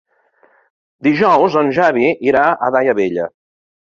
Dijous en Xavi irà a Daia Vella.